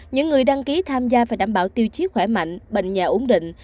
những người đăng ký tham gia phải đảm bảo tiêu chí khỏe mạnh bệnh nhà ổn định